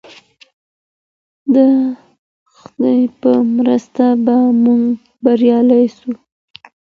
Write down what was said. د خدای په مرسته به موږ بریالي سو.